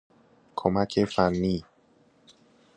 کمک فنی